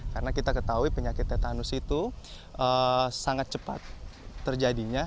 karena kita ketahui penyakit tetanus itu sangat cepat terjadinya